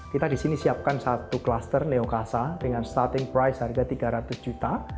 kita disini siapkan satu cluster neokasa dengan starting price harga tiga ratus juta